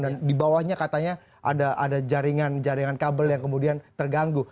dan di bawahnya katanya ada jaringan kabel yang kemudian terganggu